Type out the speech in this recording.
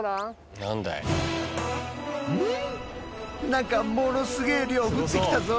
何かものすげえ量降ってきたぞ。